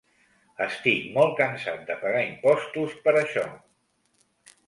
Estic molt cansat de pagar impostos per això!!!!